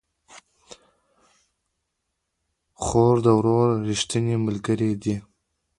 خور د ورور ريښتينې ملګرې ده